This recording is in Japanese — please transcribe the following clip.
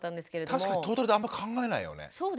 確かにトータルであんま考えないよね。